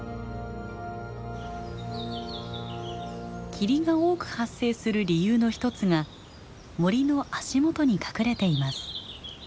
霧が多く発生する理由の一つが森の足元に隠れています。